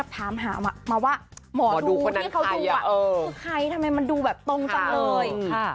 ทำไมมันดูแบบต้นตันเลย